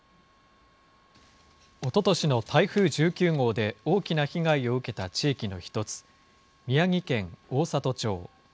おととしの台風１９号で大きな被害を受けた地域の１つ、宮城県大郷町。